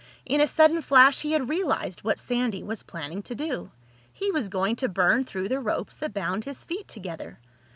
In a sudden flash he had realized what Sandy was planning to do. He was going to burn through the ropes that bound his feet together.